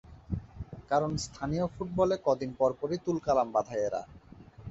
কারণ, স্থানীয় ফুটবলে কদিন পরপরই তুলকালাম বাধায় এরা।